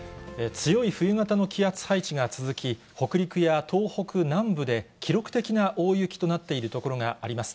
強い冬型の気圧配置が続き、北陸や東北南部で記録的な大雪となっている所があります。